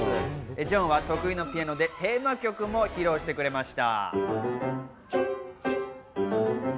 ジョンは得意のピアノでテーマ曲も披露してくれました。